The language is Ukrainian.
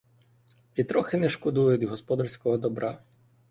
І трохи не шкодують господарського добра.